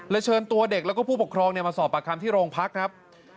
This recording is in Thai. เชิญตัวเด็กแล้วก็ผู้ปกครองมาสอบปากคำที่โรงพักครับ